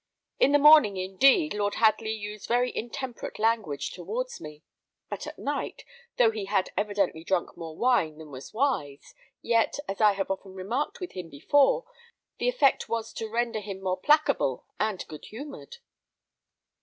In the morning, indeed, Lord Hadley used very intemperate language towards me; but at night, though he had evidently drunk more wine than was wise, yet, as I have often remarked with him before, the effect was to render him more placable and good humoured."